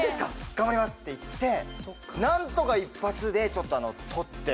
頑張ります」って言って何とか一発でちょっと撮って。